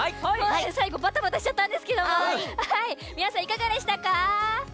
最後ばたばたしちゃったんですけど皆さん、いかがでしたか？